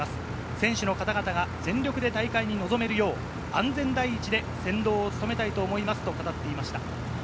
選手の方々が全力で大会に臨めるよう安全第一で先導を務めたいと思いますと語っていました。